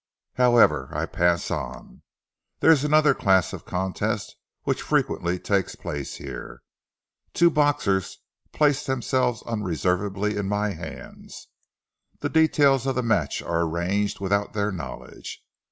"However, I pass on. There is another class of contest which frequently takes place here. Two boxers place themselves unreservedly in my hands. The details of the match are arranged without their knowledge.